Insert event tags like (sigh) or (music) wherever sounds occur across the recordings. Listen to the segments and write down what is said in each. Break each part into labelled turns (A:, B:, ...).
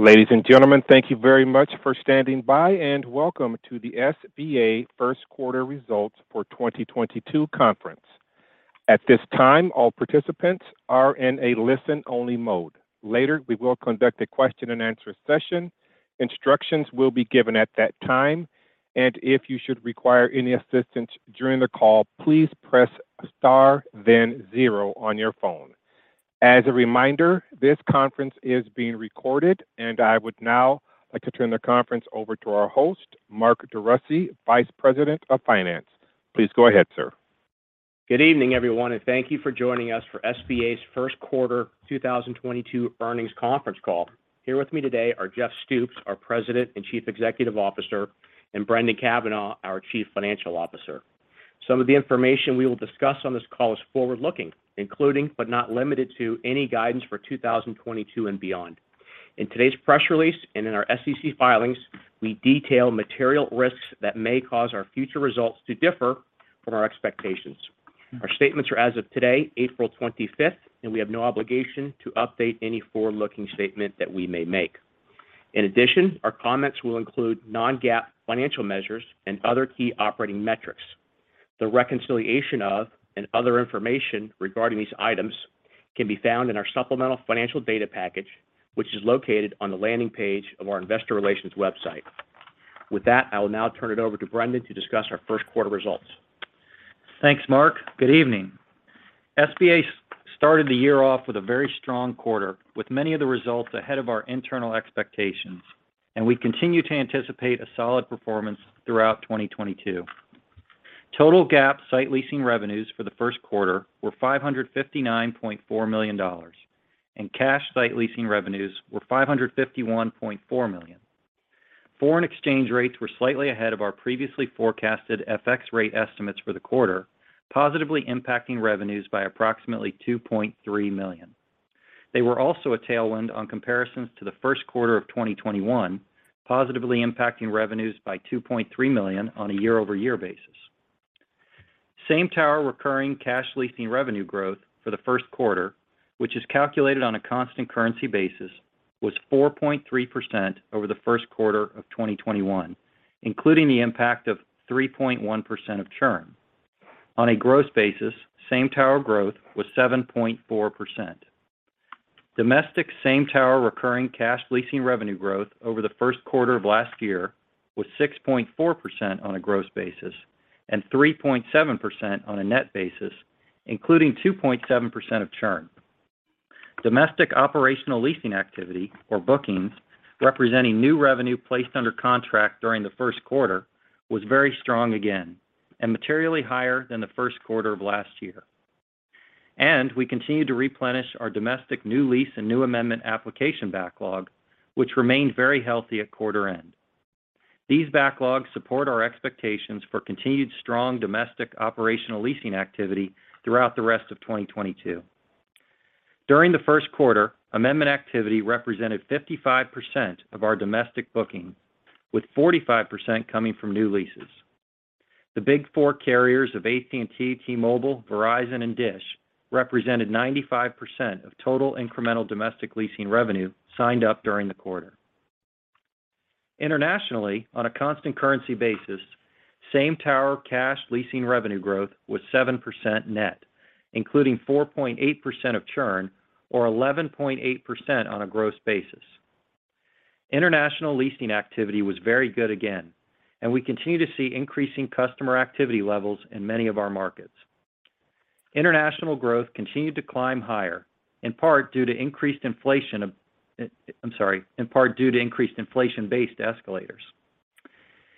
A: Ladies and gentlemen, thank you very much for standing by, and welcome to the SBA First Quarter Results for 2022 conference. At this time, all participants are in a listen-only mode. Later, we will conduct a question and answer session. Instructions will be given at that time. If you should require any assistance during the call, please press star then zero on your phone. As a reminder, this conference is being recorded. I would now like to turn the conference over to our host, Mark DeRussy, Vice President of Finance. Please go ahead, sir.
B: Good evening, everyone, and thank you for joining us for SBA's first quarter 2022 earnings conference call. Here with me today are Jeff Stoops, our President and Chief Executive Officer, and Brendan Cavanagh, our Chief Financial Officer. Some of the information we will discuss on this call is forward-looking, including, but not limited to, any guidance for 2022 and beyond. In today's press release and in our SEC filings, we detail material risks that may cause our future results to differ from our expectations. Our statements are as of today, April 25th, and we have no obligation to update any forward-looking statement that we may make. In addition, our comments will include non-GAAP financial measures and other key operating metrics. The reconciliation of, and other information regarding these items can be found in our supplemental financial data package, which is located on the landing page of our investor relations website. With that, I will now turn it over to Brendan to discuss our first quarter results.
C: Thanks, Mark. Good evening. SBA started the year off with a very strong quarter, with many of the results ahead of our internal expectations, and we continue to anticipate a solid performance throughout 2022. Total GAAP site leasing revenues for the first quarter were $559.4 million, and cash site leasing revenues were $551.4 million. Foreign exchange rates were slightly ahead of our previously forecasted FX rate estimates for the quarter, positively impacting revenues by approximately $2.3 million. They were also a tailwind on comparisons to the first quarter of 2021, positively impacting revenues by $2.3 million on a year-over-year basis. Same tower recurring cash leasing revenue growth for the first quarter, which is calculated on a constant currency basis, was 4.3% over the first quarter of 2021, including the impact of 3.1% of churn. On a gross basis, same tower growth was 7.4%. Domestic same tower recurring cash leasing revenue growth over the first quarter of last year was 6.4% on a gross basis and 3.7% on a net basis, including 2.7% of churn. Domestic operational leasing activity or bookings representing new revenue placed under contract during the first quarter was very strong again and materially higher than the first quarter of last year. We continued to replenish our domestic new lease and new amendment application backlog, which remained very healthy at quarter end. These backlogs support our expectations for continued strong domestic operational leasing activity throughout the rest of 2022. During the first quarter, amendment activity represented 55% of our domestic booking, with 45% coming from new leases. The big four carriers of AT&T, T-Mobile, Verizon, and DISH represented 95% of total incremental domestic leasing revenue signed up during the quarter. Internationally, on a constant currency basis, same tower cash leasing revenue growth was 7% net, including 4.8% of churn or 11.8% on a gross basis. International leasing activity was very good again, and we continue to see increasing customer activity levels in many of our markets. International growth continued to climb higher, in part due to increased inflation-based escalators.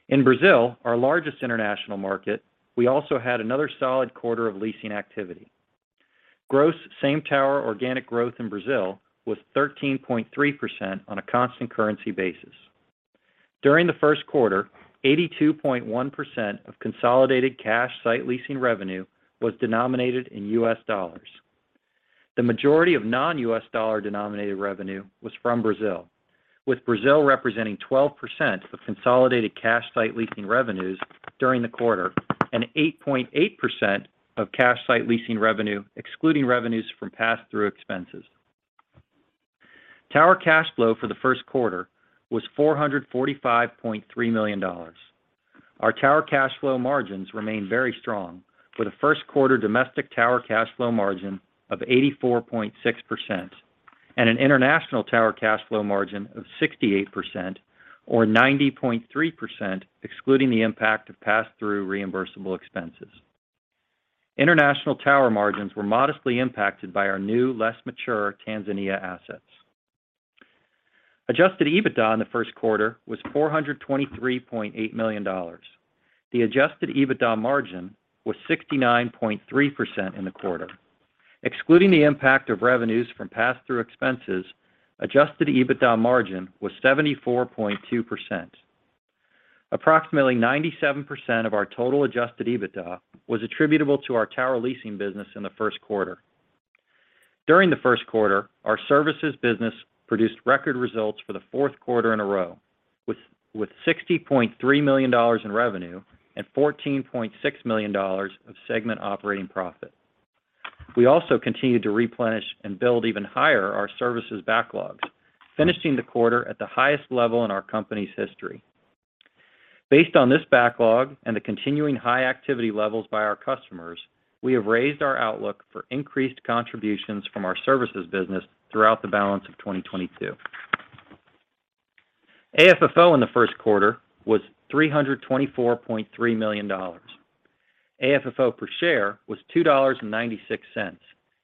C: In Brazil, our largest international market, we also had another solid quarter of leasing activity. Gross same tower organic growth in Brazil was 13.3% on a constant currency basis. During the first quarter, 82.1% of consolidated cash site leasing revenue was denominated in U.S. dollars. The majority of non-U.S. dollar-denominated revenue was from Brazil, with Brazil representing 12% of consolidated cash site leasing revenues during the quarter and 8.8% of cash site leasing revenue excluding revenues from pass-through expenses. Tower cash flow for the first quarter was $445.3 million. Our tower cash flow margins remained very strong with a first quarter domestic tower cash flow margin of 84.6% and an international tower cash flow margin of 68% or 90.3% excluding the impact of pass-through reimbursable expenses. International tower margins were modestly impacted by our new, less mature Tanzania assets. Adjusted EBITDA in the first quarter was $423.8 million. The Adjusted EBITDA margin was 69.3% in the quarter. Excluding the impact of revenues from pass-through expenses, Adjusted EBITDA margin was 74.2%. Approximately 97% of our total Adjusted EBITDA was attributable to our tower leasing business in the first quarter. During the first quarter, our services business produced record results for the fourth quarter in a row with $60.3 million in revenue and $14.6 million of segment operating profit. We also continued to replenish and build even higher our services backlogs, finishing the quarter at the highest level in our company's history. Based on this backlog and the continuing high activity levels by our customers, we have raised our outlook for increased contributions from our services business throughout the balance of 2022. AFFO in the first quarter was $324.3 million. AFFO per share was $2.96,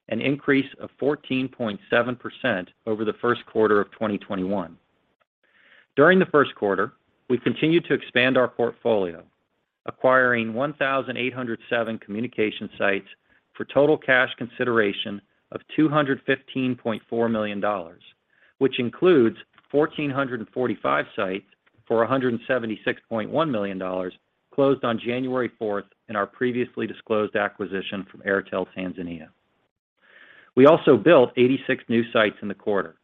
C: an increase of 14.7% over the first quarter of 2021. During the first quarter, we continued to expand our portfolio, acquiring 1,807 communication sites for total cash consideration of $215.4 million, which includes 1,445 sites for $176.1 million closed on January 4th in our previously disclosed acquisition from Airtel Tanzania. We also built 86 new sites in the quarter.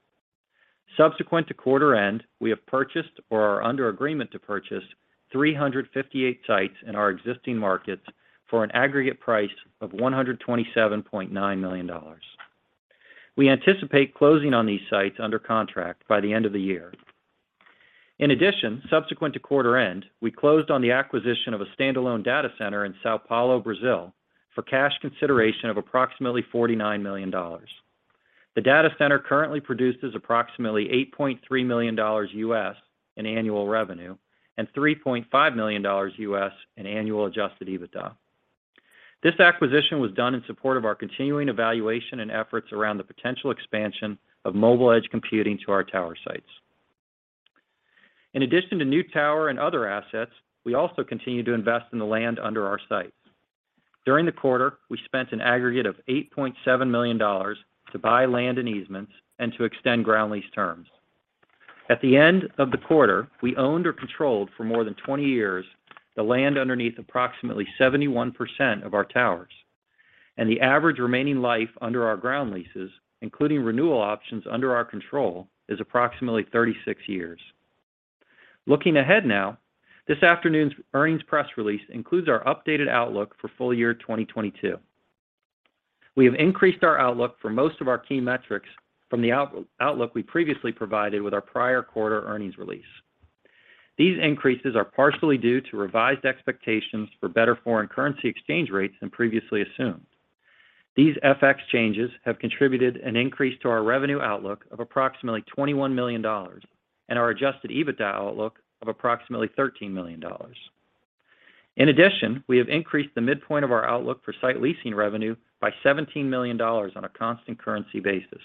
C: Subsequent to quarter end, we have purchased or are under agreement to purchase 358 sites in our existing markets for an aggregate price of $127.9 million. We anticipate closing on these sites under contract by the end of the year. In addition, subsequent to quarter end, we closed on the acquisition of a standalone data center in São Paulo, Brazil, for cash consideration of approximately $49 million. The data center currently produces approximately $8.3 million in annual revenue and $3.5 million in annual Adjusted EBITDA. This acquisition was done in support of our continuing evaluation and efforts around the potential expansion of mobile edge computing to our tower sites. In addition to new tower and other assets, we also continue to invest in the land under our sites. During the quarter, we spent an aggregate of $8.7 million to buy land and easements and to extend ground lease terms. At the end of the quarter, we owned or controlled for more than 20 years the land underneath approximately 71% of our towers and the average remaining life under our ground leases, including renewal options under our control, is approximately 36 years. Looking ahead now, this afternoon's earnings press release includes our updated outlook for full year 2022. We have increased our outlook for most of our key metrics from the outlook we previously provided with our prior quarter earnings release. These increases are partially due to revised expectations for better foreign currency exchange rates than previously assumed. These FX changes have contributed an increase to our revenue outlook of approximately $21 million and our Adjusted EBITDA outlook of approximately $13 million. In addition, we have increased the midpoint of our outlook for site leasing revenue by $17 million on a constant currency basis.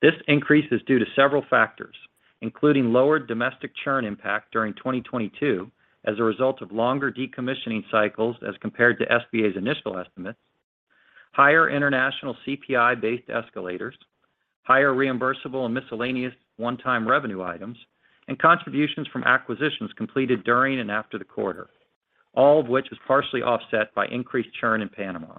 C: This increase is due to several factors, including lower domestic churn impact during 2022 as a result of longer decommissioning cycles as compared to SBA's initial estimates, higher international CPI-based escalators, higher reimbursable and miscellaneous one-time revenue items, and contributions from acquisitions completed during and after the quarter, all of which is partially offset by increased churn in Panama.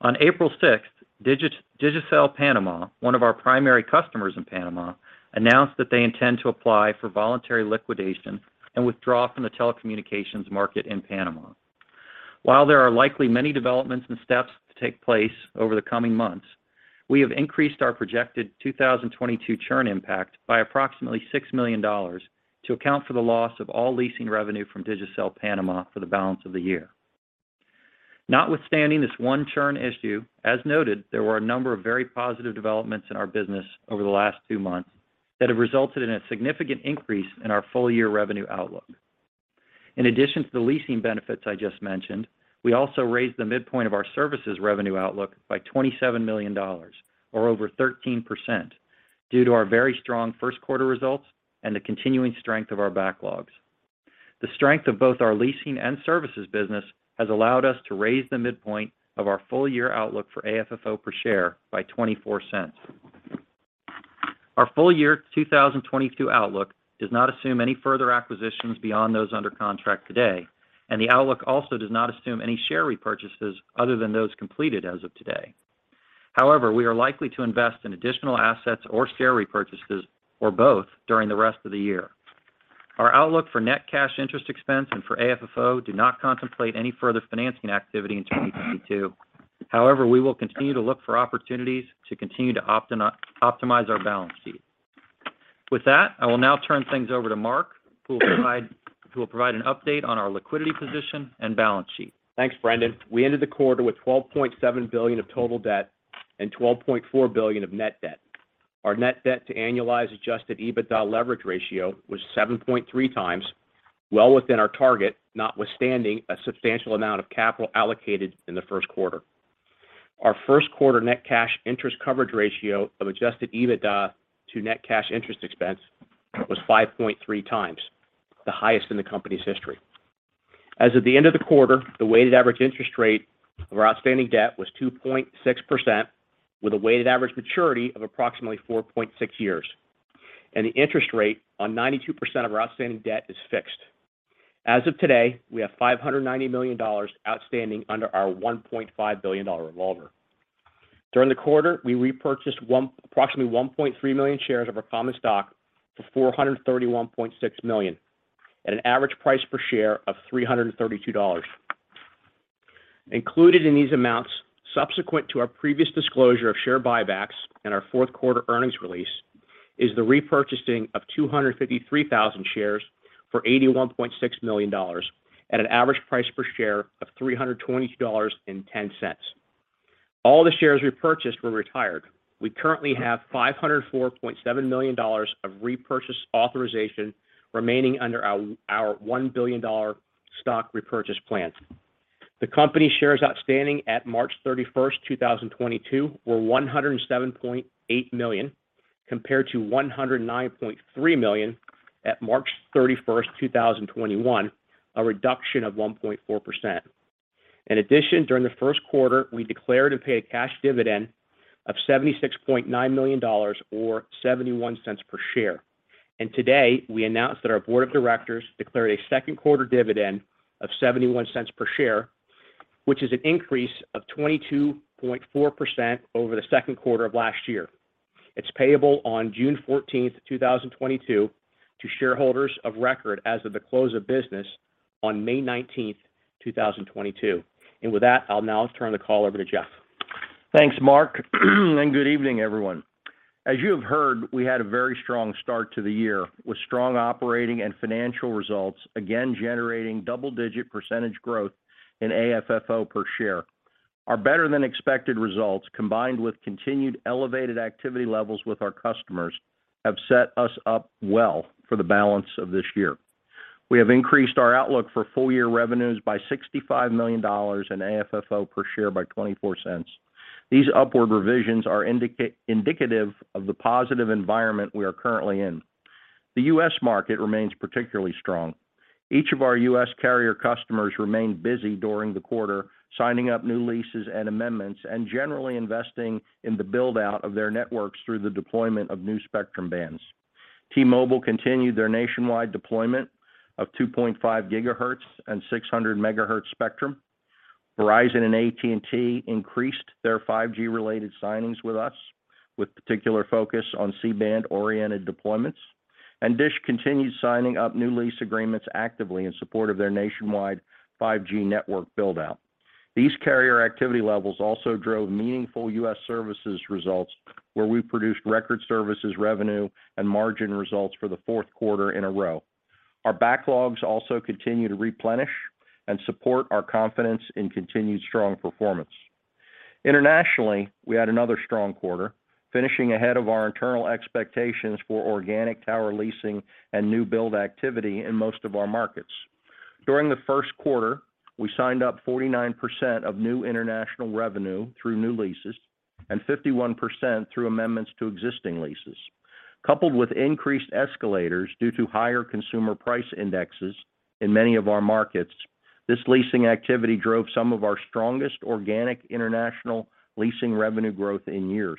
C: On April 6th, Digicel Panama, one of our primary customers in Panama, announced that they intend to apply for voluntary liquidation and withdraw from the telecommunications market in Panama. While there are likely many developments and steps to take place over the coming months, we have increased our projected 2022 churn impact by approximately $6 million to account for the loss of all leasing revenue from Digicel Panama for the balance of the year. Notwithstanding this one churn issue, as noted, there were a number of very positive developments in our business over the last two months that have resulted in a significant increase in our full year revenue outlook. In addition to the leasing benefits I just mentioned, we also raised the midpoint of our services revenue outlook by $27 million, or over 13%, due to our very strong first quarter results and the continuing strength of our backlogs. The strength of both our leasing and services business has allowed us to raise the midpoint of our full year outlook for AFFO per share by $0.24. Our full year 2022 outlook does not assume any further acquisitions beyond those under contract today, and the outlook also does not assume any share repurchases other than those completed as of today. However, we are likely to invest in additional assets or share repurchases or both during the rest of the year. Our outlook for net cash interest expense and for AFFO do not contemplate any further financing activity in 2022. However, we will continue to look for opportunities to continue to optimize our balance sheet. With that, I will now turn things over to Mark, who will provide an update on our liquidity position and balance sheet.
B: Thanks, Brendan. We ended the quarter with $12.7 billion of total debt and $12.4 billion of net debt. Our Net Debt to Annualized Adjusted EBITDA leverage ratio was 7.3x, well within our target, notwithstanding a substantial amount of capital allocated in the first quarter. Our first quarter net cash interest coverage ratio of Adjusted EBITDA to Net Cash Interest Expense was 5.3x, the highest in the company's history. As of the end of the quarter, the weighted average interest rate of our outstanding debt was 2.6% with a weighted average maturity of approximately 4.6 years, and the interest rate on 92% of our outstanding debt is fixed. As of today, we have $590 million outstanding under our $1.5 billion revolver. During the quarter, we repurchased approximately 1.3 million shares of our common stock for $431.6 million at an average price per share of $332. Included in these amounts, subsequent to our previous disclosure of share buybacks and our fourth quarter earnings release, is the repurchasing of 253,000 shares for $81.6 million at an average price per share of $322.10. All the shares repurchased were retired. We currently have $504.7 million of repurchase authorization remaining under our $1 billion stock repurchase plans. The company shares outstanding at March 31st, 2022 were $107.8 million, compared to $109.3 million at March 31st, 2021, a reduction of 1.4%. In addition, during the first quarter, we declared and paid a cash dividend of $76.9 million or $0.71 per share. Today we announced that our Board of Directors declared a second quarter dividend of $0.71 per share, which is an increase of 22.4% over the second quarter of last year. It's payable on June 14th, 2022 to shareholders of record as of the close of business on May 19th, 2022. With that, I'll now turn the call over to Jeff.
D: Thanks, Mark. Good evening, everyone. As you have heard, we had a very strong start to the year, with strong operating and financial results, again generating double-digit % growth in AFFO per share. Our better than expected results, combined with continued elevated activity levels with our customers, have set us up well for the balance of this year. We have increased our outlook for full year revenues by $65 million and AFFO per share by $0.24. These upward revisions are indicative of the positive environment we are currently in. The U.S. market remains particularly strong. Each of our U.S. carrier customers remained busy during the quarter, signing up new leases and amendments, and generally investing in the build-out of their networks through the deployment of new spectrum bands. T-Mobile continued their nationwide deployment of 2.5 GHz and 600 MHz spectrum. Verizon and AT&T increased their 5G related signings with us, with particular focus on C-band oriented deployments. Dish continued signing up new lease agreements actively in support of their nationwide 5G network build-out. These carrier activity levels also drove meaningful U.S. services results, where we produced record services revenue and margin results for the fourth quarter in a row. Our backlogs also continue to replenish and support our confidence in continued strong performance. Internationally, we had another strong quarter, finishing ahead of our internal expectations for organic tower leasing and new build activity in most of our markets. During the first quarter, we signed up 49% of new international revenue through new leases and 51% through amendments to existing leases. Coupled with increased escalators due to higher consumer price indexes in many of our markets, this leasing activity drove some of our strongest organic international leasing revenue growth in years.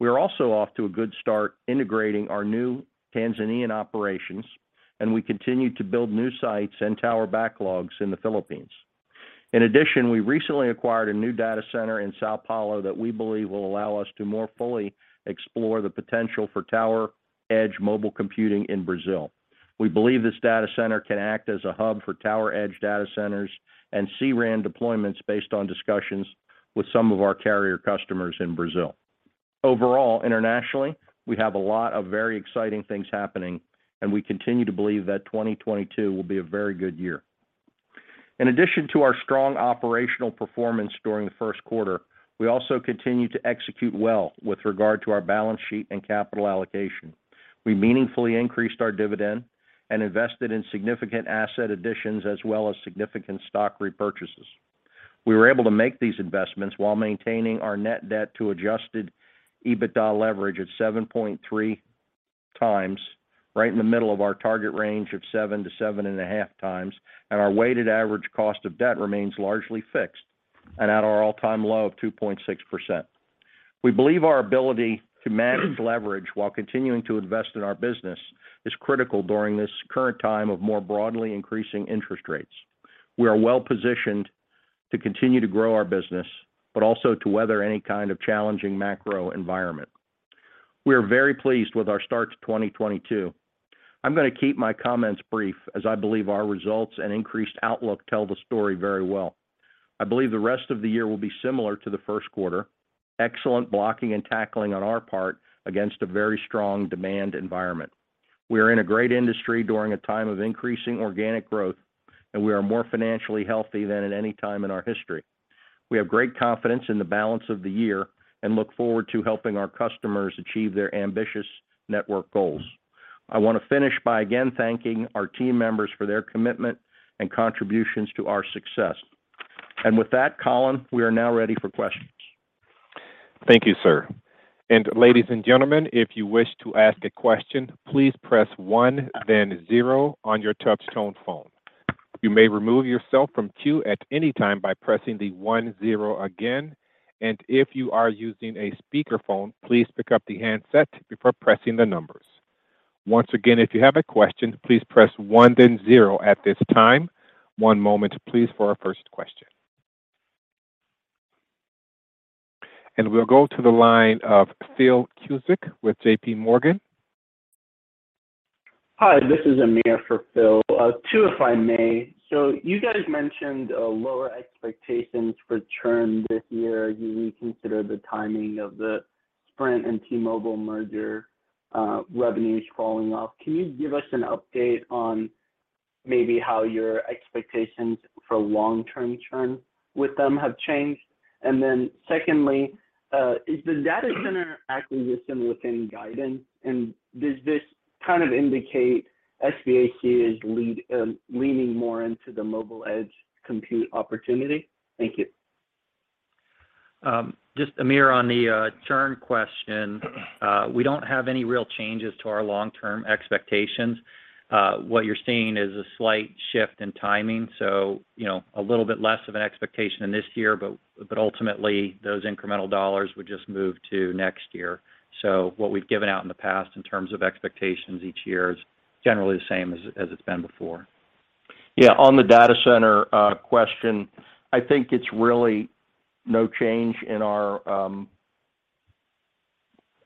D: We are also off to a good start integrating our new Tanzanian operations, and we continue to build new sites and tower backlogs in the Philippines. In addition, we recently acquired a new data center in São Paulo that we believe will allow us to more fully explore the potential for tower edge mobile computing in Brazil. We believe this data center can act as a hub for tower edge data centers and C-RAN deployments based on discussions with some of our carrier customers in Brazil. Overall, internationally, we have a lot of very exciting things happening, and we continue to believe that 2022 will be a very good year. In addition to our strong operational performance during the first quarter, we also continue to execute well with regard to our balance sheet and capital allocation. We meaningfully increased our dividend and invested in significant asset additions as well as significant stock repurchases. We were able to make these investments while maintaining our Net Debt to Adjusted EBITDA leverage at 7.3x, right in the middle of our target range of 7x-7.5x, and our weighted average cost of debt remains largely fixed and at our all-time low of 2.6%. We believe our ability to manage leverage while continuing to invest in our business is critical during this current time of more broadly increasing interest rates. We are well positioned to continue to grow our business, but also to weather any kind of challenging macro environment. We are very pleased with our start to 2022. I'm gonna keep my comments brief as I believe our results and increased outlook tell the story very well. I believe the rest of the year will be similar to the first quarter, excellent blocking and tackling on our part against a very strong demand environment. We are in a great industry during a time of increasing organic growth, and we are more financially healthy than at any time in our history. We have great confidence in the balance of the year and look forward to helping our customers achieve their ambitious network goals. I wanna finish by again thanking our team members for their commitment and contributions to our success. With that, Colin, we are now ready for questions.
A: Thank you, sir. And ladies and gentlemen, if you wish to ask a question, please press one then zero on your touch tone phone. You may remove yourself from queue at any time by pressing the one zero again, and if you are using a speakerphone, please pick up the handset before pressing the numbers. Once again, if you have a question, please press one then zero at this time. One moment please for our first question. We'll go to the line of Phil Cusick with JPMorgan.
E: Hi, this is Amir for Phil. Two if I may. You guys mentioned lower expectations for churn this year as you reconsider the timing of the Sprint and T-Mobile merger, revenues falling off. Can you give us an update on maybe how your expectations for long-term churn with them have changed? Secondly, is the data center acquisition within guidance? Does this kind of indicate SBA is leaning more into the mobile edge compute opportunity? Thank you.
C: Just Amir on the churn question. We don't have any real changes to our long-term expectations. What you're seeing is a slight shift in timing, so you know, a little bit less of an expectation in this year, but ultimately those incremental dollars would just move to next year. What we've given out in the past in terms of expectations each year is generally the same as it's been before.
D: Yeah. On the data center question, I think it's really no change in our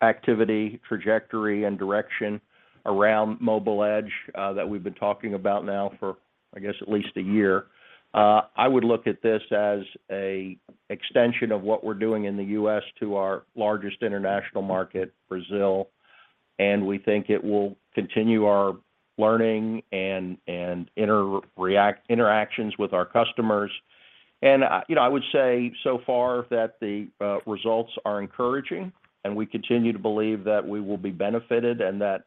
D: activity, trajectory, and direction around Mobile Edge that we've been talking about now for, I guess, at least a year. I would look at this as an extension of what we're doing in the U.S. to our largest international market, Brazil. We think it will continue our learning and interactions with our customers. You know, I would say so far that the results are encouraging, and we continue to believe that we will be benefited and that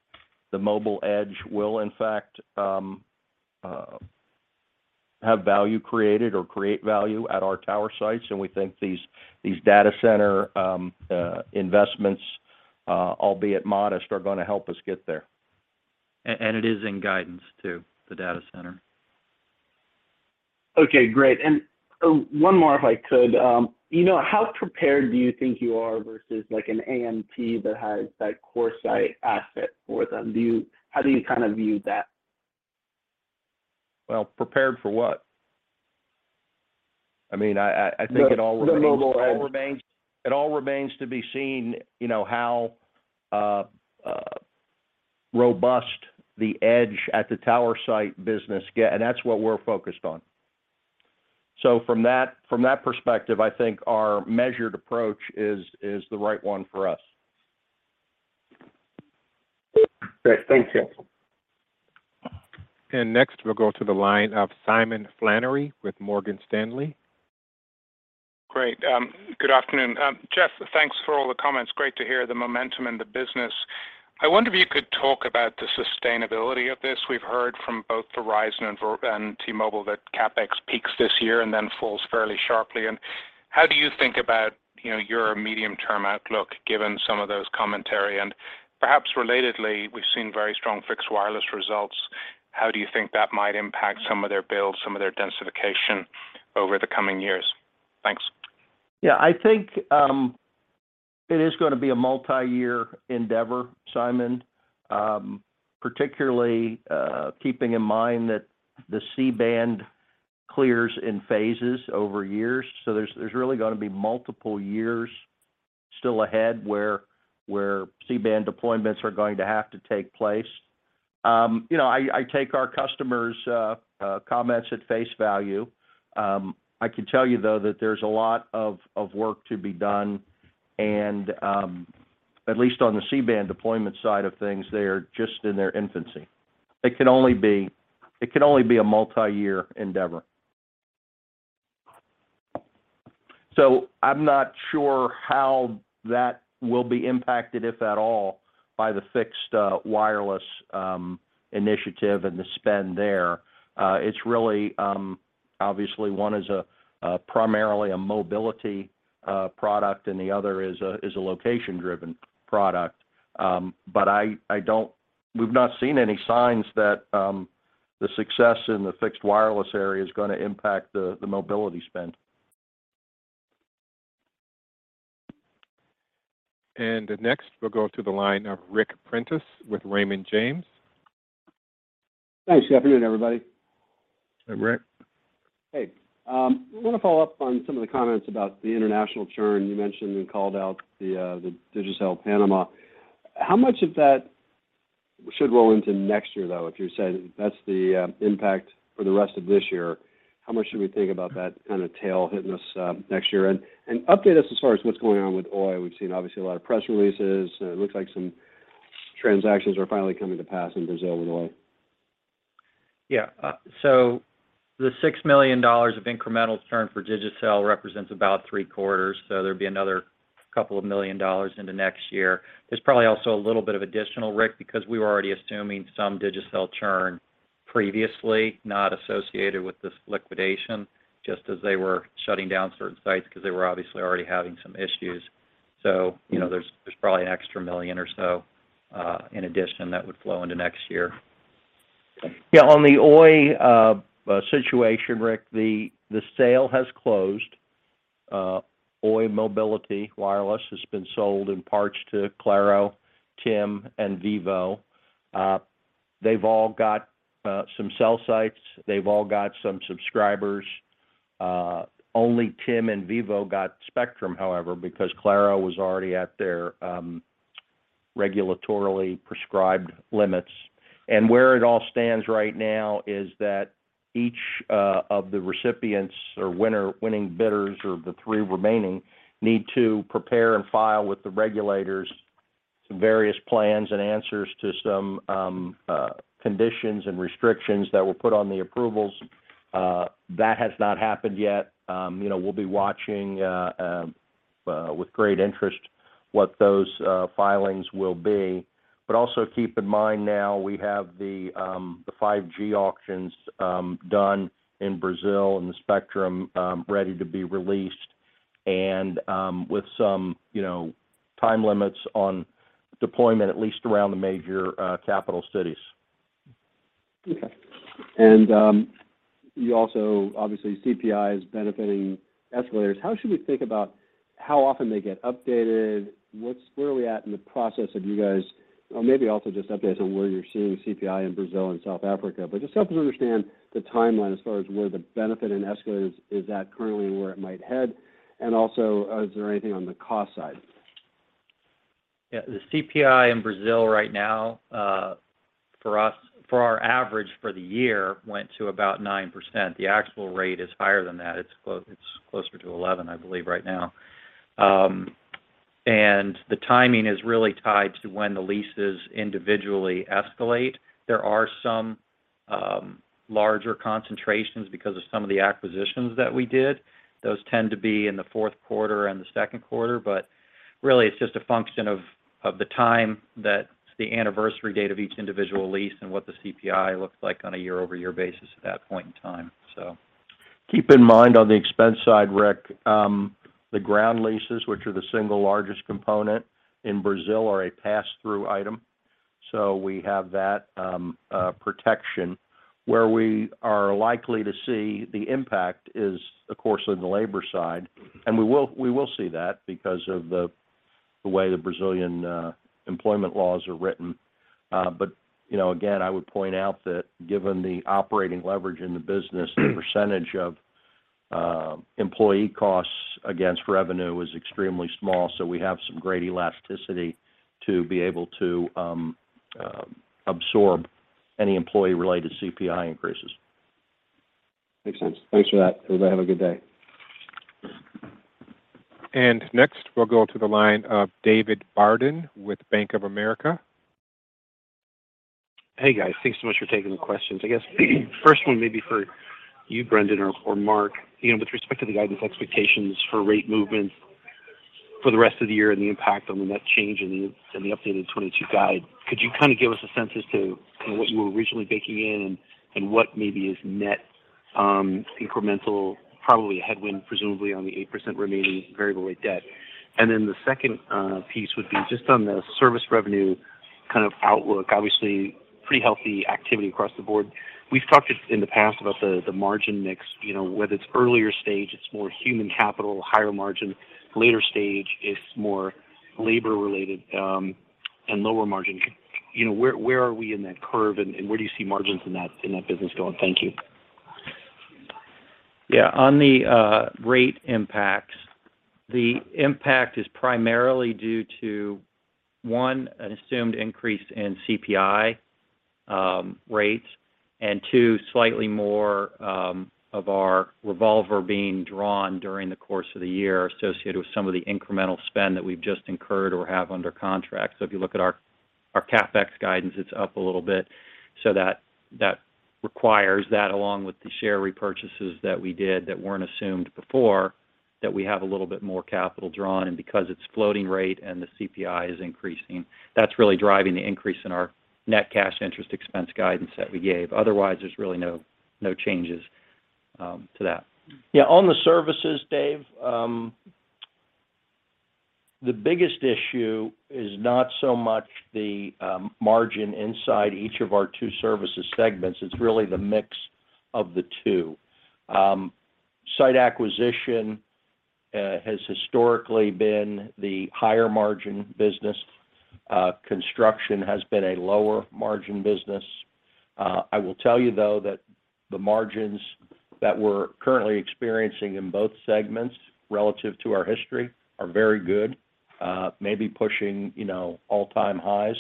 D: the Mobile Edge will in fact have value created or create value at our tower sites, and we think these data center investments, albeit modest, are gonna help us get there.
C: It is in guidance too, the data center.
E: Okay, great. One more if I could. You know, how prepared do you think you are versus like an AMT that has that core site asset for them? How do you kind of view that?
D: Well, prepared for what? (crosstalk) It all remains to be seen, you know, how robust the edge at the tower site business get, and that's what we're focused on. From that perspective, I think our measured approach is the right one for us.
E: Great. Thank you.
A: Next, we'll go to the line of Simon Flannery with Morgan Stanley.
F: Great. Good afternoon. Jeff, thanks for all the comments. Great to hear the momentum in the business. I wonder if you could talk about the sustainability of this. We've heard from both Verizon and T-Mobile that CapEx peaks this year and then falls fairly sharply. How do you think about, you know, your medium-term outlook, given some of those commentary? Perhaps relatedly, we've seen very strong fixed wireless results. How do you think that might impact some of their builds, some of their densification over the coming years? Thanks.
D: Yeah. I think it is gonna be a multi-year endeavor, Simon, particularly keeping in mind that the C-band clears in phases over years. So there's really gonna be multiple years still ahead where C-band deployments are going to have to take place. You know, I take our customers' comments at face value. I can tell you, though, that there's a lot of work to be done and at least on the C-band deployment side of things, they are just in their infancy. It can only be a multi-year endeavor. So I'm not sure how that will be impacted, if at all, by the fixed wireless initiative and the spend there. It's really obviously one is primarily a mobility product and the other is a location-driven product. We've not seen any signs that the success in the fixed wireless area is gonna impact the mobility spend.
A: Next, we'll go to the line of Ric Prentiss with Raymond James.
G: Thanks. Good afternoon, everybody.
C: Hi, Ric.
G: Hey. I wanna follow up on some of the comments about the international churn. You mentioned and called out the Digicel Panama. How much of that should roll into next year, though? If you're saying that's the impact for the rest of this year, how much should we think about that kinda tail hitting us, next year? Update us as far as what's going on with Oi. We've seen obviously a lot of press releases. It looks like some transactions are finally coming to pass in Brazil with Oi.
C: The $6 million of incremental churn for Digicel represents about three-quarters, so there'd be another couple of million dollars into next year. There's probably also a little bit of additional, Rick, because we were already assuming some Digicel churn previously not associated with this liquidation, just as they were shutting down certain sites because they were obviously already having some issues. You know, there's probably an extra $1 million or so in addition that would flow into next year.
D: Yeah, on the Oi situation, Ric, the sale has closed. Oi Móvel has been sold in parts to Claro, TIM, and Vivo. They've all got some cell sites, they've all got some subscribers. Only TIM and Vivo got spectrum, however, because Claro was already at their regulatorily prescribed limits. Where it all stands right now is that each of the recipients or winning bidders, or the three remaining, need to prepare and file with the regulators various plans and answers to some conditions and restrictions that were put on the approvals. That has not happened yet. You know, we'll be watching with great interest what those filings will be. Also keep in mind, now we have the 5G auctions done in Brazil and the spectrum ready to be released, and with some, you know, time limits on deployment, at least around the major capital cities.
G: You also obviously, CPI is benefiting escalators. How should we think about how often they get updated? Where are we at in the process? Or maybe also just updates on where you're seeing CPI in Brazil and South Africa, but just help us understand the timeline as far as where the benefit in escalator is at currently and where it might head. Is there anything on the cost side?
C: Yeah. The CPI in Brazil right now, for us, for our average for the year, went to about 9%. The actual rate is higher than that. It's closer to 11%, I believe, right now. The timing is really tied to when the leases individually escalate. There are some larger concentrations because of some of the acquisitions that we did. Those tend to be in the fourth quarter and the second quarter. Really, it's just a function of the time that's the anniversary date of each individual lease and what the CPI looks like on a year-over-year basis at that point in time. Keep in mind, on the expense side, Ric, the ground leases, which are the single largest component in Brazil, are a pass-through item, so we have that protection. Where we are likely to see the impact is, of course, on the labor side. We will see that because of the way the Brazilian employment laws are written. You know, again, I would point out that given the operating leverage in the business, the percentage of employee costs against revenue is extremely small, so we have some great elasticity to be able to absorb any employee-related CPI increases.
G: Makes sense. Thanks for that. Everybody have a good day.
A: Next, we'll go to the line of David Barden with Bank of America.
H: Hey, guys. Thanks so much for taking the questions. I guess first one maybe for you, Brendan or Mark. You know, with respect to the guidance expectations for rate movements for the rest of the year and the impact on the net change in the updated 2022 guide, could you kinda give us a sense as to kind of what you were originally baking in and what maybe is net incremental, probably a headwind, presumably on the 8% remaining variable rate debt? And then the second piece would be just on the service revenue kind of outlook. Obviously, pretty healthy activity across the board. We've talked in the past about the margin mix, you know, whether it's earlier stage, it's more human capital, higher margin, later stage, it's more labor related and lower margin. You know, where are we in that curve, and where do you see margins in that business going? Thank you.
C: Yeah. On the rate impacts, the impact is primarily due to one, an assumed increase in CPI rates, and two, slightly more of our revolver being drawn during the course of the year associated with some of the incremental spend that we've just incurred or have under contract. If you look at our CapEx guidance, it's up a little bit. That requires that along with the share repurchases that we did that weren't assumed before, that we have a little bit more capital drawn. Because it's floating rate and the CPI is increasing, that's really driving the increase in our net cash interest expense guidance that we gave. Otherwise, there's really no changes to that.
D: Yeah. On the services, Dave, the biggest issue is not so much the margin inside each of our two services segments, it's really the mix of the two. Site acquisition has historically been the higher margin business. Construction has been a lower margin business. I will tell you, though, that the margins that we're currently experiencing in both segments relative to our history are very good, maybe pushing, you know, all-time highs.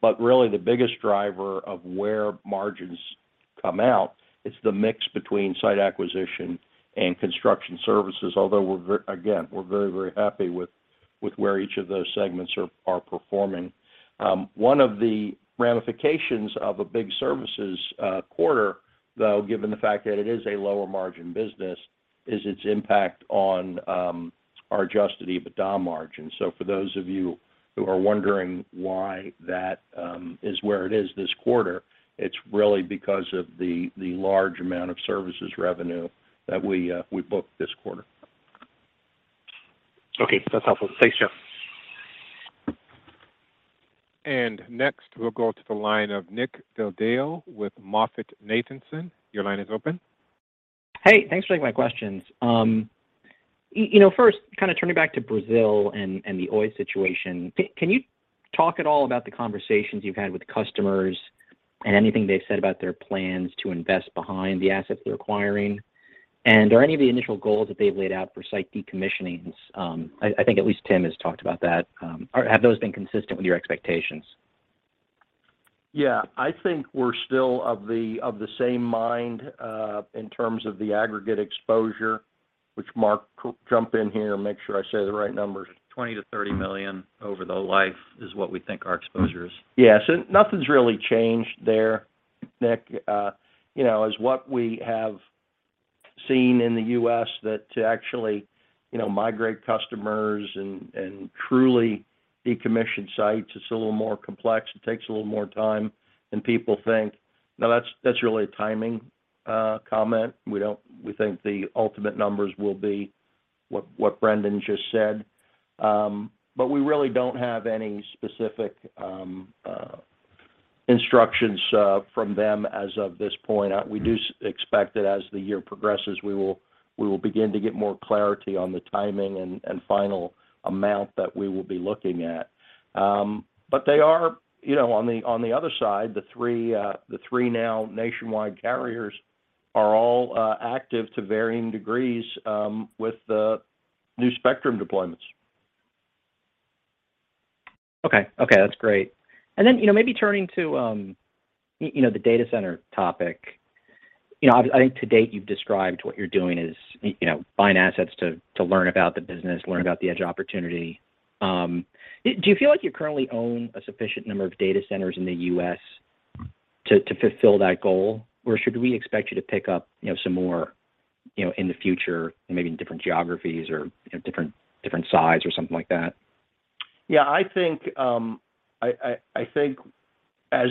D: But really the biggest driver of where margins come out is the mix between site acquisition and construction services, although we're very, very happy with where each of those segments are performing. One of the ramifications of a big services quarter, though, given the fact that it is a lower margin business, is its impact on our Adjusted EBITDA margin. For those of you who are wondering why that is where it is this quarter, it's really because of the large amount of services revenue that we booked this quarter.
H: Okay, that's helpful. Thanks, Jeff.
A: Next, we'll go to the line of Nick Del Deo with MoffettNathanson. Your line is open.
I: Hey, thanks for taking my questions. You know, first, kind of turning back to Brazil and the Oi situation, can you talk at all about the conversations you've had with customers and anything they've said about their plans to invest behind the assets they're acquiring? Are any of the initial goals that they've laid out for site decommissionings, I think at least TIM has talked about that, or have those been consistent with your expectations?
D: Yeah. I think we're still of the same mind in terms of the aggregate exposure, which Mark, jump in here and make sure I say the right numbers.
C: $20 million-$30 million over the life is what we think our exposure is.
D: Yeah, nothing's really changed there, Nick. As we've seen in the U.S., to actually migrate customers and truly decommission sites, it's a little more complex. It takes a little more time than people think. Now that's really a timing comment. We think the ultimate numbers will be what Brendan just said. We really don't have any specific instructions from them as of this point. We do expect that as the year progresses, we will begin to get more clarity on the timing and final amount that we will be looking at. They are, on the other side, the three now nationwide carriers are all active to varying degrees with the new spectrum deployments.
I: Okay. Okay, that's great. You know, maybe turning to you know, the data center topic. You know, I think to date, you've described what you're doing as you know, buying assets to learn about the business, learn about the edge opportunity. Do you feel like you currently own a sufficient number of data centers in the U.S. to fulfill that goal, or should we expect you to pick up you know, some more you know, in the future, maybe in different geographies or you know, different size or something like that?
D: Yeah, I think as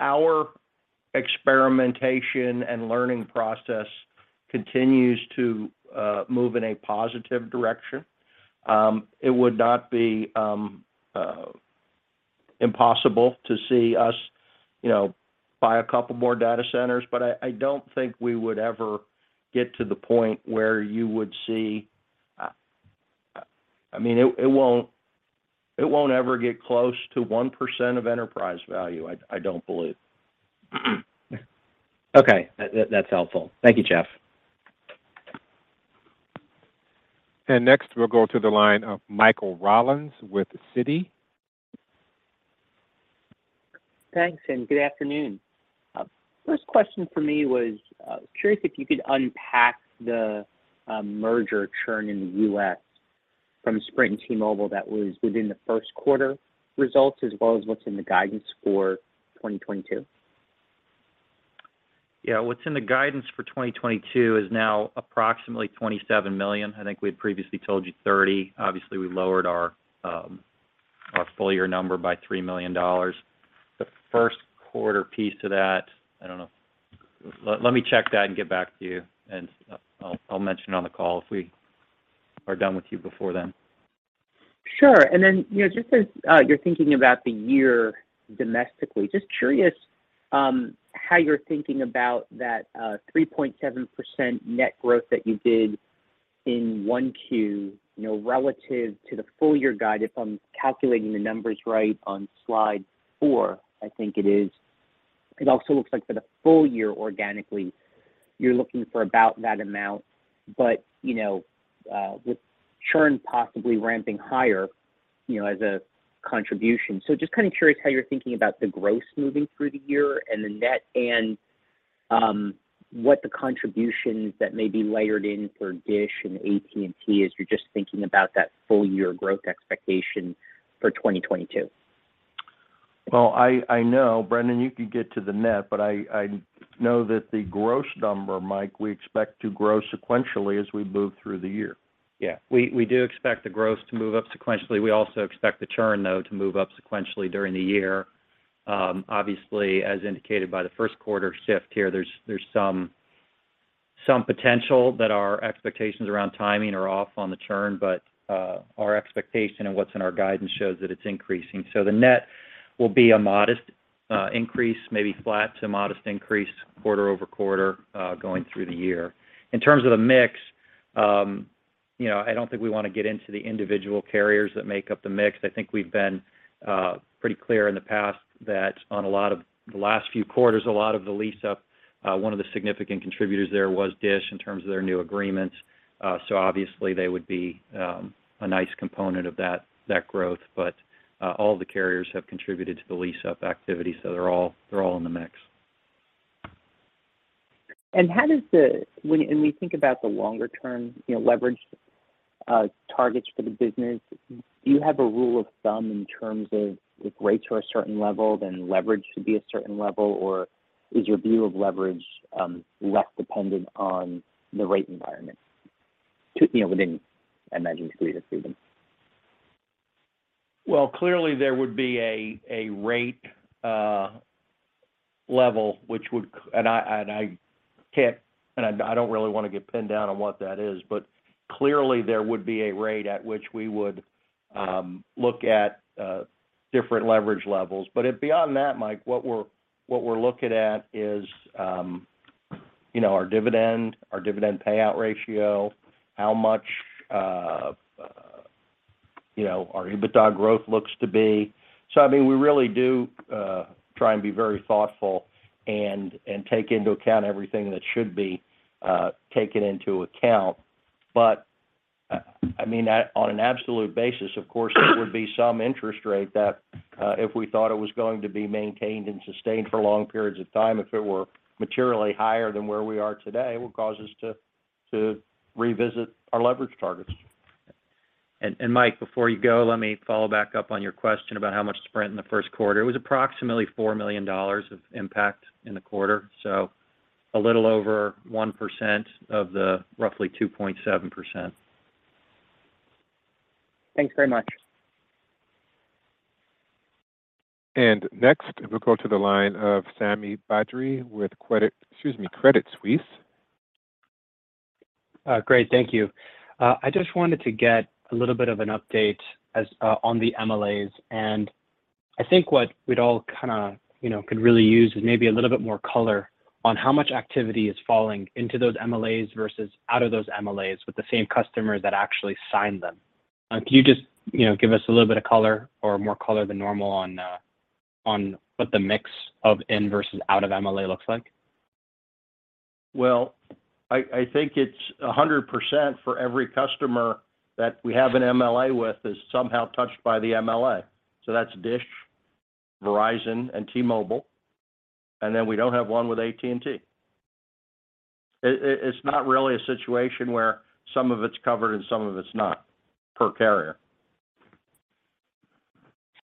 D: our experimentation and learning process continues to move in a positive direction, it would not be impossible to see us, you know, buy a couple more data centers. But I don't think we would ever get to the point where you would see. I mean, it won't ever get close to 1% of enterprise value, I don't believe.
I: Okay. That's helpful. Thank you, Jeff.
A: Next, we'll go to the line of Michael Rollins with Citi.
J: Thanks, good afternoon. First question for me was curious if you could unpack the merger churn in the U.S. from Sprint and T-Mobile that was within the first quarter results, as well as what's in the guidance for 2022.
C: Yeah. What's in the guidance for 2022 is now approximately $27 million. I think we had previously told you $30 million. Obviously, we lowered our full year number by $3 million. The first quarter piece to that, I don't know. Let me check that and get back to you, and I'll mention on the call if we are done with you before then.
J: Sure. You know, just as you're thinking about the year domestically, just curious how you're thinking about that 3.7% net growth that you did in Q1, you know, relative to the full year guide, if I'm calculating the numbers right on slide four, I think it is. It also looks like for the full year organically, you're looking for about that amount. You know, with churn possibly ramping higher, you know, as a contribution. Just kinda curious how you're thinking about the growth moving through the year and the net and what the contributions that may be layered in for DISH and AT&T as you're just thinking about that full year growth expectation for 2022.
D: Well, I know, Brendan, you could get to the net, but I know that the gross number, Mike, we expect to grow sequentially as we move through the year.
C: Yeah. We do expect the gross to move up sequentially. We also expect the churn, though, to move up sequentially during the year. Obviously, as indicated by the first quarter shift here, there's some potential that our expectations around timing are off on the churn, but our expectation and what's in our guidance shows that it's increasing. The net will be a modest increase, maybe flat to modest increase quarter over quarter, going through the year. In terms of the mix, you know, I don't think we wanna get into the individual carriers that make up the mix. I think we've been pretty clear in the past that on a lot of the last few quarters, a lot of the lease up, one of the significant contributors there was DISH in terms of their new agreements. Obviously they would be a nice component of that growth. All the carriers have contributed to the lease-up activity, so they're all in the mix.
J: When you think about the longer term, you know, leverage targets for the business, do you have a rule of thumb in terms of if rates are a certain level, then leverage should be a certain level? Or is your view of leverage less dependent on the rate environment to, you know, within, I imagine, degrees of freedom?
D: Well, clearly there would be a rate level, and I can't, I don't really wanna get pinned down on what that is. Clearly there would be a rate at which we would look at different leverage levels. If beyond that, Mike, what we're looking at is, you know, our dividend payout ratio, how much, you know, our EBITDA growth looks to be. I mean, we really do try and be very thoughtful and take into account everything that should be taken into account. I mean, on an absolute basis, of course it would be some interest rate that, if we thought it was going to be maintained and sustained for long periods of time, if it were materially higher than where we are today, will cause us to revisit our leverage targets.
C: Mike, before you go, let me follow back up on your question about how much Sprint in the first quarter. It was approximately $4 million of impact in the quarter, so a little over 1% of the roughly 2.7%.
J: Thanks very much.
A: Next, we'll go to the line of Sami Badri with Credit, excuse me, Credit Suisse.
K: Great, thank you. I just wanted to get a little bit of an update on the MLAs. I think what we'd all kinda, you know, could really use is maybe a little bit more color on how much activity is falling into those MLAs versus out of those MLAs with the same customers that actually sign them. Can you just, you know, give us a little bit of color or more color than normal on what the mix of in versus out of MLA looks like?
D: Well, I think it's 100% for every customer that we have an MLA with is somehow touched by the MLA, so that's DISH, Verizon, and T-Mobile. We don't have one with AT&T. It's not really a situation where some of it's covered and some of it's not per carrier.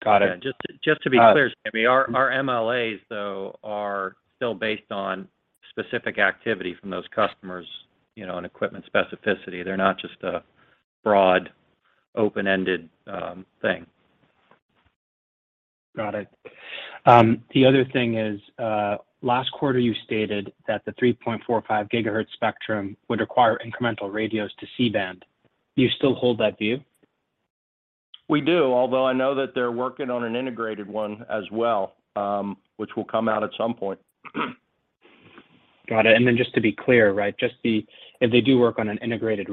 K: Got it.
C: Yeah, just to be clear, Sami, our MLAs though are still based on specific activity from those customers, you know, and equipment specificity. They're not just a broad, open-ended thing.
K: Got it. The other thing is, last quarter you stated that the 3.45 GHz spectrum would require incremental radios to C-band. Do you still hold that view?
D: We do, although I know that they're working on an integrated one as well, which will come out at some point.
K: Got it. Just to be clear, right, if they do work on an integrated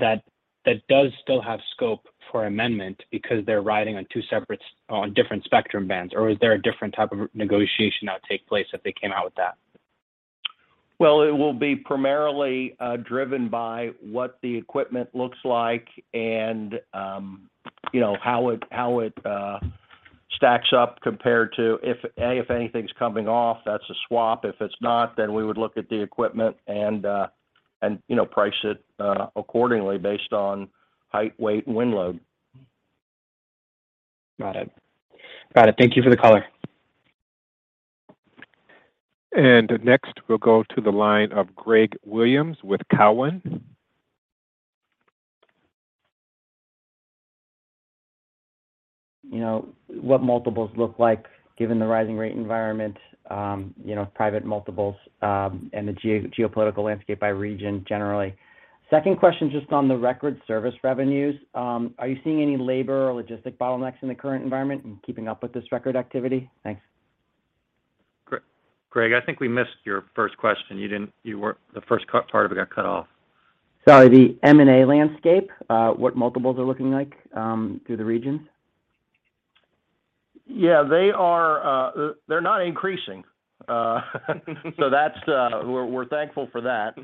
K: radio, that does still have scope for amendment because they're riding on two separate, on different spectrum bands, or is there a different type of negotiation that would take place if they came out with that?
D: Well, it will be primarily driven by what the equipment looks like and, you know, how it stacks up compared to if anything's coming off, that's a swap. If it's not, then we would look at the equipment and, you know, price it accordingly based on height, weight, and wind load.
K: Got it. Thank you for the color.
A: Next, we'll go to the line of Greg Williams with Cowen.
L: You know what multiples look like given the rising rate environment, you know, private multiples, and the geopolitical landscape by region generally. Second question, just on the record service revenues, are you seeing any labor or logistical bottlenecks in the current environment in keeping up with this record activity? Thanks.
C: Greg, I think we missed your first question. The first part of it got cut off.
L: Sorry. The M&A landscape, what multiples are looking like, through the regions?
D: Yeah. They're not increasing. We're thankful for that.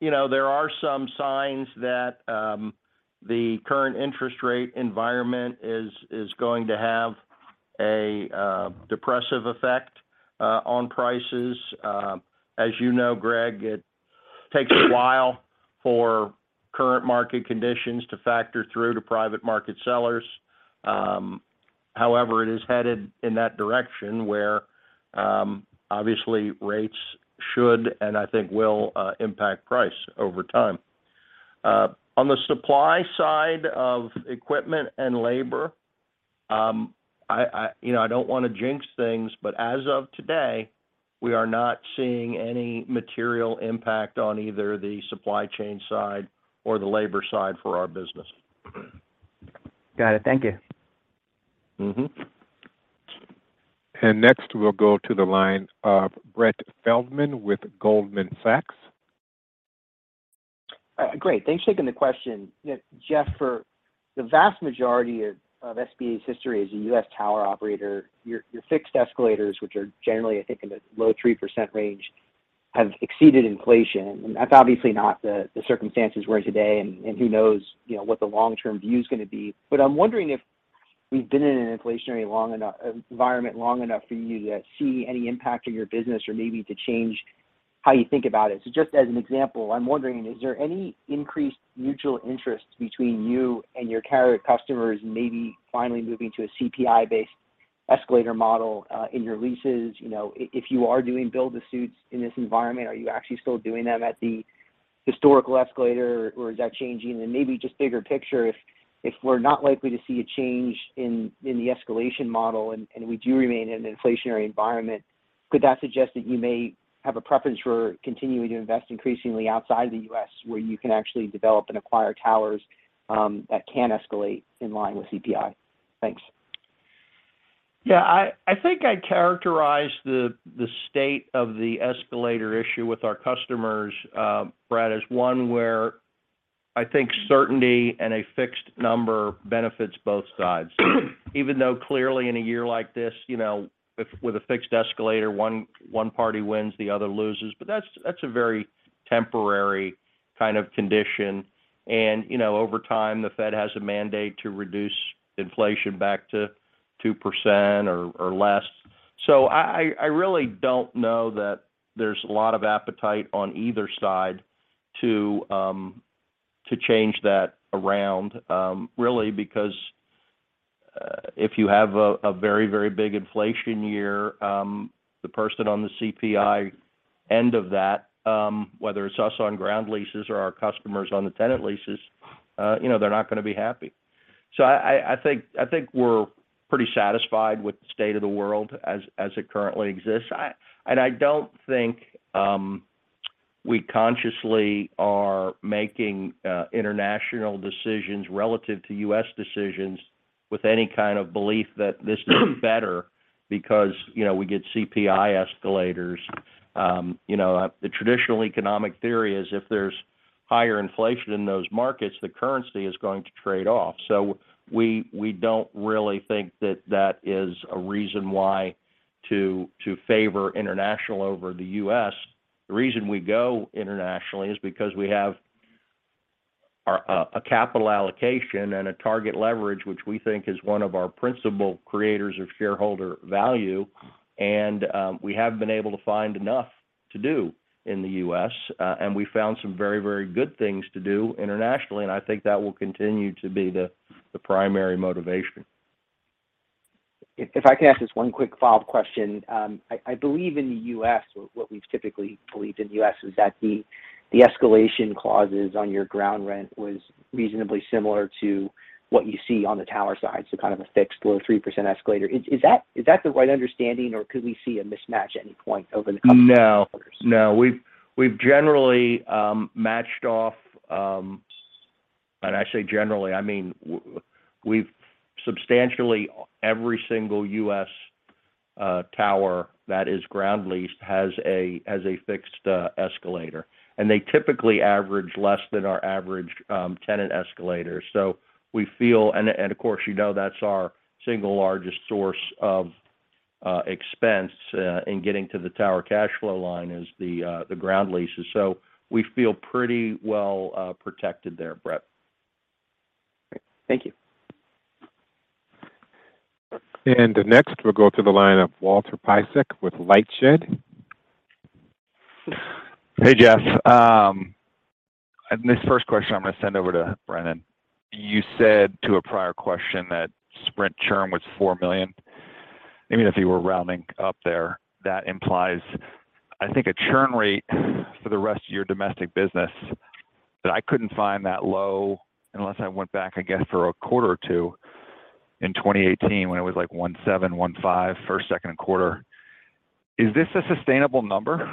D: You know, there are some signs that the current interest rate environment is going to have a depressive effect on prices. As you know, Greg, it takes a while for current market conditions to factor through to private market sellers. However, it is headed in that direction where obviously rates should and I think will impact price over time. On the supply side of equipment and labor, you know, I don't wanna jinx things, but as of today, we are not seeing any material impact on either the supply chain side or the labor side for our business.
L: Got it. Thank you.
D: Mm-hmm.
A: Next, we'll go to the line of Brett Feldman with Goldman Sachs.
M: Great. Thanks for taking the question. You know, Jeff, for the vast majority of SBA's history as a U.S. tower operator, your fixed escalators, which are generally, I think, in the low 3% range, have exceeded inflation. That's obviously not the circumstances we're in today, and who knows, you know, what the long term view is gonna be. I'm wondering if we've been in an inflationary environment long enough for you to see any impact on your business or maybe to change how you think about it. I'm wondering, is there any increased mutual interest between you and your carrier customers maybe finally moving to a CPI-based escalator model, in your leases, you know, if you are doing build to suits in this environment, are you actually still doing them at the historical escalator or is that changing? Maybe just bigger picture, if we're not likely to see a change in the escalation model and we do remain in an inflationary environment, could that suggest that you may have a preference for continuing to invest increasingly outside the U.S. where you can actually develop and acquire towers that can escalate in line with CPI? Thanks.
D: Yeah. I think I'd characterize the state of the escalator issue with our customers, Brett, as one where I think certainty and a fixed number benefits both sides. Even though clearly in a year like this, you know, if with a fixed escalator, one party wins, the other loses, but that's a very temporary kind of condition. You know, over time, the Fed has a mandate to reduce inflation back to 2% or less. So I really don't know that there's a lot of appetite on either side to change that around. Really because, if you have a very big inflation year, the person on the CPI end of that, whether it's us on ground leases or our customers on the tenant leases, you know, they're not gonna be happy. I think we're pretty satisfied with the state of the world as it currently exists. I don't think we consciously are making international decisions relative to U.S. decisions with any kind of belief that this is better because, you know, we get CPI escalators. You know, the traditional economic theory is if there's higher inflation in those markets, the currency is going to trade off. We don't really think that is a reason why to favor international over the U.S. The reason we go internationally is because we have a capital allocation and a target leverage, which we think is one of our principal creators of shareholder value, and we have been able to find enough to do in the U.S. We found some very good things to do internationally, and I think that will continue to be the primary motivation.
M: If I can ask this one quick follow-up question. I believe in the U.S., or what we've typically believed in the U.S., is that the escalation clauses on your ground rent was reasonably similar to what you see on the tower side, so kind of a fixed low 3% escalator. Is that the right understanding, or could we see a mismatch at any point over the coming quarters?
D: No. No. We've generally offset. I say generally, I mean we've substantially every single U.S. tower that is ground leased has a fixed escalator, and they typically average less than our average tenant escalator. We feel protected there. Of course, you know that's our single largest source of expense in getting to the tower cash flow line, is the ground leases. We feel pretty well protected there, Brett.
M: Great. Thank you.
A: Next, we'll go to the line of Walter Piecyk with LightShed.
N: Hey, Jeff. This first question I'm gonna send over to Brandon. You said to a prior question that Sprint churn was $4 million. Even if you were rounding up there, that implies, I think, a churn rate for the rest of your domestic business that I couldn't find that low unless I went back, I guess, for a quarter or two in 2018, when it was like 1.7%, 1.5%, first, second quarter. Is this a sustainable number?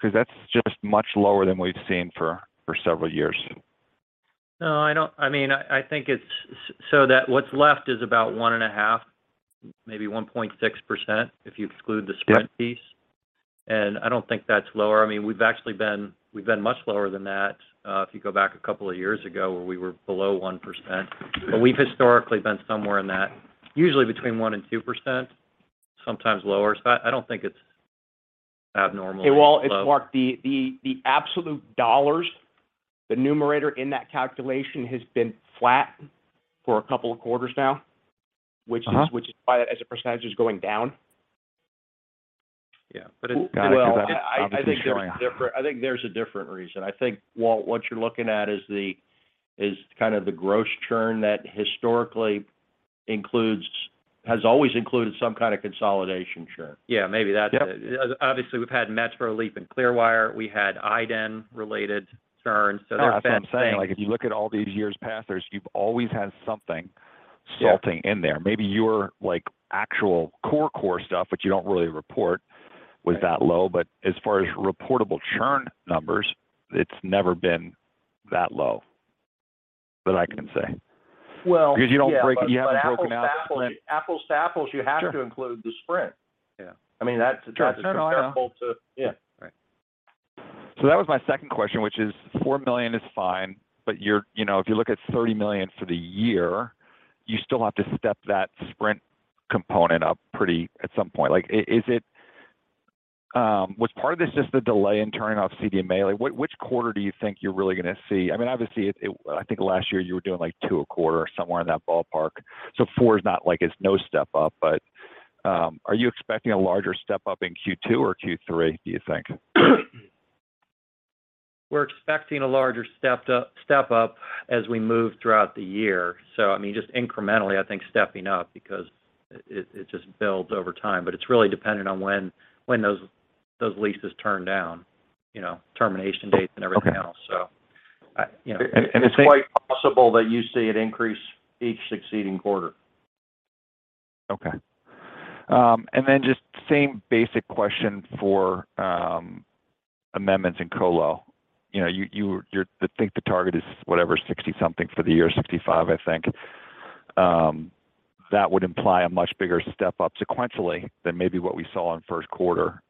N: Because that's just much lower than we've seen for several years.
C: No, I don't. I mean, I think it's so that what's left is about 1.5%, maybe 1.6%, if you exclude the Sprint piece.
N: Yeah.
C: I don't think that's lower. I mean, we've actually been much lower than that, if you go back a couple of years ago, where we were below 1%. We've historically been somewhere in that, usually between 1%-2%, sometimes lower. I don't think it's abnormally low.
D: Hey, Walter, it's the absolute dollars, the numerator in that calculation, has been flat for a couple of quarters now.
N: Uh-huh.
D: Which is why as a percentage is going down?
C: Yeah.
N: Got it.
D: Well, I think there's a different reason. I think, Walt, what you're looking at is kind of the gross churn that historically has always included some kind of consolidation churn.
C: Yeah, maybe that's it.
N: Yep.
C: Obviously, we've had MetroPCS, Leap, and Clearwire. We had iDEN-related churn. There's been things.
N: No, that's what I'm saying. Like, if you look at all these years past, there's, you've always had something salting in there.
C: Yeah.
N: Maybe your, like, actual core stuff, which you don't really report (crosstalk) was that low. As far as reportable churn numbers, it's never been that low, that I can say.
D: Well, yeah.
N: Because you don't break it. You haven't broken out Sprint.
D: Apples to apples, you have to include the Sprint.
N: Sure. Yeah.
D: I mean, that's comparable to.
N: Sure. No, no, I know.
D: Yeah.
N: That was my second question, which is $4 million is fine, but you know, if you look at $30 million for the year, you still have to step that Sprint component up pretty at some point. Like, is it? Was part of this just the delay in turning off CDMA? Like, which quarter do you think you're really gonna see? I mean, obviously, it. I think last year you were doing, like, $2 million a quarter or somewhere in that ballpark. Four is not like it's no step up, but are you expecting a larger step up in Q2 or Q3, do you think?
C: We're expecting a larger step up as we move throughout the year. I mean, just incrementally, I think stepping up because it just builds over time. It's really dependent on when those leases turn down, you know, termination dates and everything else.
N: Okay.
C: You know.
N: It's quite possible that you see it increase each succeeding quarter. Okay. Then just same basic question for amendments in colo. You know, you're, I think the target is whatever, 60-something for the year, 65, I think. That would imply a much bigger step up sequentially than maybe what we saw in first quarter.